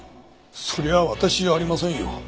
それは私じゃありませんよ。